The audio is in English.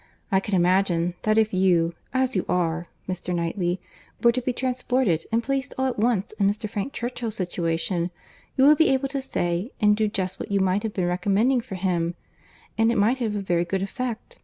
I can imagine, that if you, as you are, Mr. Knightley, were to be transported and placed all at once in Mr. Frank Churchill's situation, you would be able to say and do just what you have been recommending for him; and it might have a very good effect.